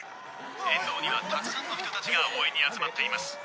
「沿道にはたくさんの人たちが応援に集まっています」